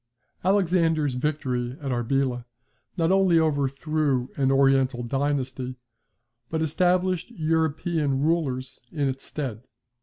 Alexander's victory at Arbela not only overthrew an Oriental dynasty, but established European rulers in its stead.